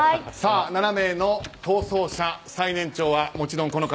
７名の逃走者最年長はもちろん、この方。